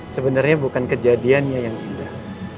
sebenarnya bukan kejadiannya yang indah